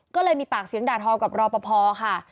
ก็เลยมีปากเสียงด่าทอกับรอปภค่ะ